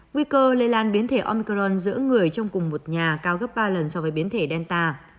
nguy cơ lây lan biến thể oncron giữa người trong cùng một nhà cao gấp ba lần so với biến thể delta